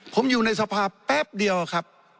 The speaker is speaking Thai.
ผมอยู่ในสภาพแป๊บเดียวครับ